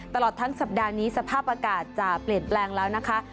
ตลอดทั้งสัปดาห์นี้สภาพอากาศจะเปลี่ยนแปลงแล้วนะคะ